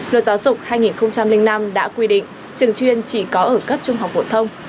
luật giáo dục hai nghìn năm đã quy định trường chuyên chỉ có ở cấp trung học phổ thông